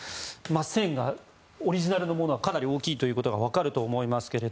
線でオリジナルのものがかなり大きいことが分かると思いますが。